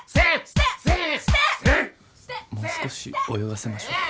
もう少し泳がせましょうか。